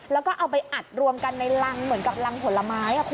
แล้วก็เอาไปอัดรวมกันในรังเหมือนกับรังผลไม้